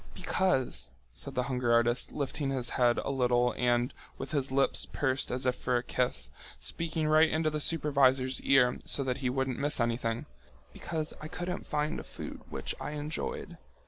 "Because," said the hunger artist, lifting his head a little and, with his lips pursed as if for a kiss, speaking right into the supervisor's ear so that he wouldn't miss anything, "because I couldn't find a food which I enjoyed.